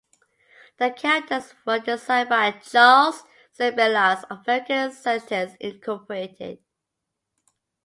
The characters were designed by Charles Zembillas of American Exitus, Incorporated.